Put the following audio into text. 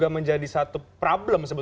menjadi satu problem